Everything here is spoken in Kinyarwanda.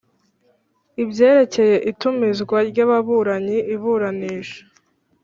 Ibyerekeye itumizwa ry ababuranyi iburanisha